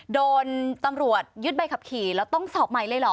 โดนตำรวจยึดใบขับขี่แล้วต้องสอบใหม่เลยเหรอ